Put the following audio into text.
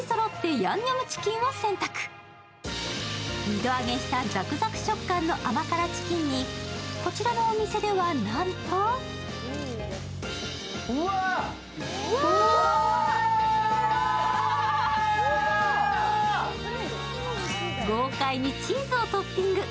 二度揚げしたザクザク食感の甘辛チキンにこちらのお店ではなんと豪快にチーズをトッピング。